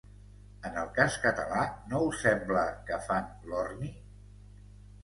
En el cas català no us sembla que fan l’orni?